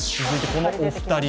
続いて、このお二人。